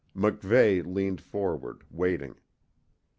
MacVeigh leaned forward, waiting.